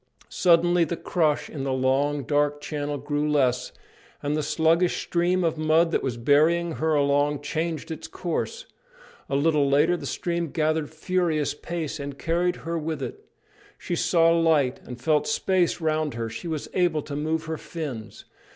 Suddenly the crush in the long, dark channel grew less, and the sluggish stream of mud that was bearing her along changed its course. A little later the stream gathered furious pace and carried her with it; she saw light and felt space round her; she was able to move her fins.